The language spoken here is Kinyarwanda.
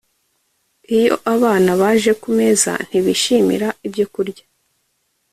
Iyo abana baje ku meza ntibishimira ibyokurya